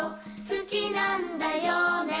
「好きなんだよね？」